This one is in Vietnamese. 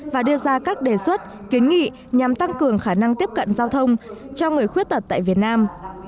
và đưa ra các đề xuất kiến nghị nhằm tăng cường khả năng tiếp cận giao thông cho người khuyết tật tại việt nam